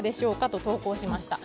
と投稿しました。